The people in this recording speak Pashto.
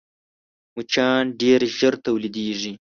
مچان ډېر ژر تولیدېږي